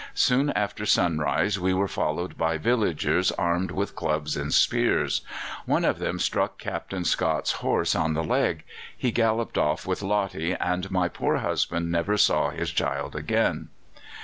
Soon after sunrise we were followed by villagers armed with clubs and spears. One of them struck Captain Scott's horse on the leg. He galloped off with Lottie, and my poor husband never saw his child again.